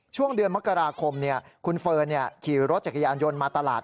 ช่วงเดือนมกราคมคุณเฟิร์นขี่รถจักรยานยนต์มาตลาด